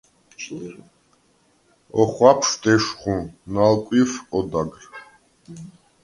ოხვაფშვდ ეშხუ, ნალკვიჰვ ოდაგრ.